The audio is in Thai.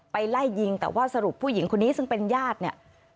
ไล่ยิงแต่ว่าสรุปผู้หญิงคนนี้ซึ่งเป็นญาติเนี่ย